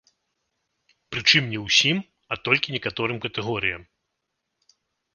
Прычым не ўсім, а толькі некаторым катэгорыям.